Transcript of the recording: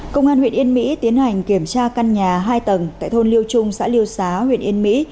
công an huyện yên mỹ tiến hành kiểm tra căn nhà hai tầng tại thôn liêu trung xã liêu xá huyện yên mỹ